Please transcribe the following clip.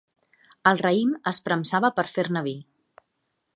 El raïm es premsava per fer-ne vi.